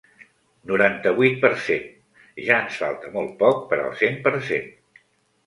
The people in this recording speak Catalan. Noranta-vuit per cent Ja ens falta molt poc per al cent per cent.